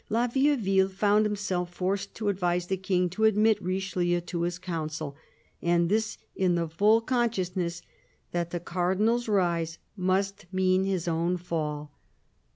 La Vieuville found himself forced to advise the King to admit Richelieu to his Council — and this in the full consciousness that the Cardinal's rise must mean his own fall.